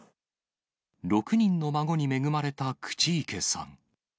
６人の孫に恵まれた口池さん。